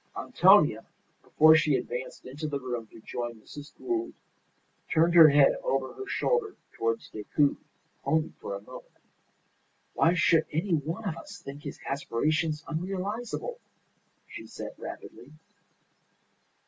Antonia, before she advanced into the room to join Mrs. Gould, turned her head over her shoulder towards Decoud, only for a moment. "Why should any one of us think his aspirations unrealizable?" she said, rapidly.